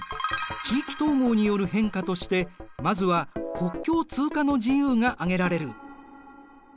地域統合による変化としてまずは国境通過の自由が挙げられる。